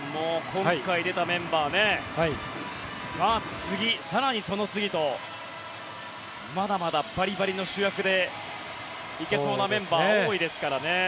今回出たメンバーが次、更にその次とまだまだバリバリの主役で行けそうなメンバー多いですからね。